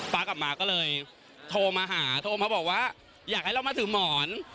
กลับมาก็เลยโทรมาหาโทรมาบอกว่าอยากให้เรามาถือหมอน